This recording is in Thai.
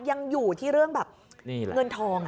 ยังอยู่ที่เรื่องแบบเงินทอง